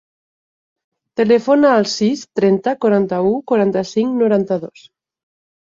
Telefona al sis, trenta, quaranta-u, quaranta-cinc, noranta-dos.